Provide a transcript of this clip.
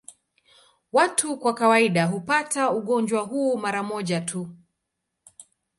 Watu kwa kawaida hupata ugonjwa huu mara moja tu.